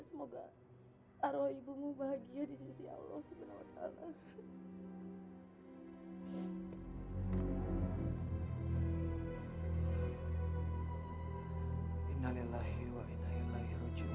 semoga arwah ibumu bahagia di sisi allah swt